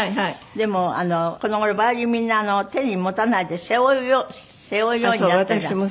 でもこの頃ヴァイオリンみんな手に持たないで背負うようになったじゃない。